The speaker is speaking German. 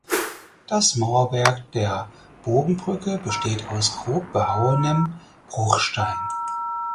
Das Mauerwerk der Bogenbrücke besteht aus grob behauenem Bruchstein.